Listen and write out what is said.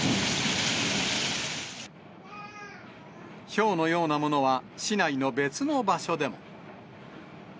ひょうのようなものは市内の別の場所でも。